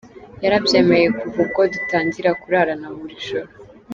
Yarabyemeye kuva ubwo dutangira kurarana buri joro.